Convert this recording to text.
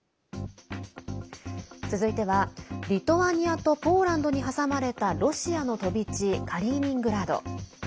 続いては、リトアニアとポーランドに挟まれたロシアの飛び地カリーニングラード。